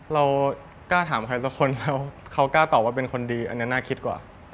เรากล้าถามใครสักคนแล้วเขากล้าตอบว่าเป็นคนดีอันนี้น่าคิดกว่า